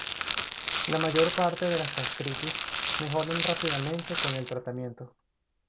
La mayor parte de las gastritis mejoran rápidamente con el tratamiento.